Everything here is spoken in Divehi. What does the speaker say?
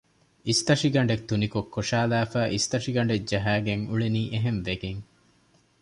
އިސްތަށިގަނޑު ތުނިކޮށް ކޮށައިލައިފައި އިސްތަށިގަނޑެއް ޖަހައިގެން އުޅެނީ އެހެންވެގެން